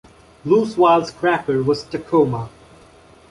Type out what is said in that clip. Loose-Wile's cracker was "Takhoma".